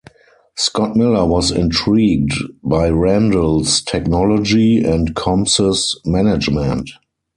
Scott Miller was intrigued by Randel's technology and Combs' management.